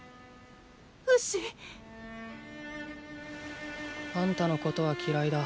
フシ。あんたのことは嫌いだ。